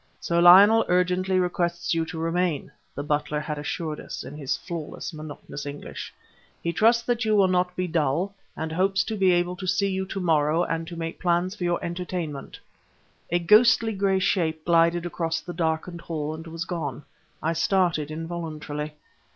"Sir Lionel urgently requests you to remain," the butler had assured us, in his flawless, monotonous English. "He trusts that you will not be dull, and hopes to be able to see you to morrow and to make plans for your entertainment." A ghostly, gray shape glided across the darkened hall and was gone. I started involuntarily.